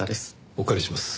お借りします。